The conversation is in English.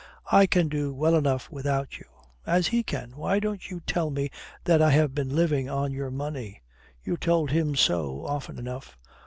"I can do well enough without you, as he can.... Why don't you tell me that I have been living on your money? You told him so often enough."